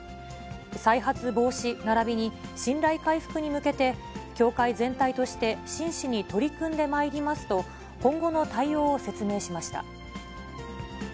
再発防止ならびに信頼回復に向けて、協会全体として真摯に取り組んでまいりますと、今後の対応を説明しました。